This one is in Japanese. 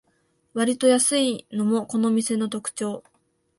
わりと安いのもこの店の特長